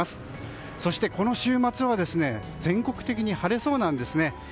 そしてこの週末は全国的に晴れそうです。